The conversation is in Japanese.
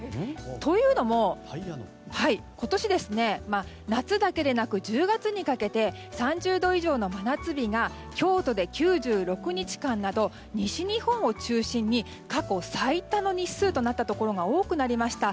というのも、今年夏だけでなく１０月にかけて３０度以上の真夏日が京都で９６日間など西日本を中心に過去最多の日数となったところが多くなりました。